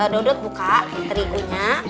dodot buka terigunya